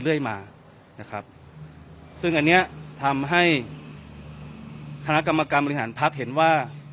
เรื่อยมานะครับซึ่งอันเนี้ยทำให้คณะกรรมการบริหารพักเห็นว่า